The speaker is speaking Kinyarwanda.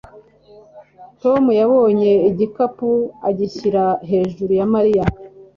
Tom yabonye igipangu agishyira hejuru ya Mariya